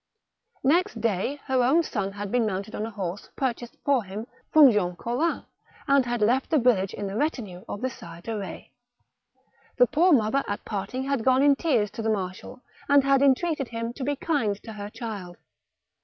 Next day her son had been mounted on a horse pur chased for him from Jean Collin, and had left the village in the retinue of the Sire de Betz. The poor mother at parting* had gone in tears to the marshal, and had entreated him to be kind to her child.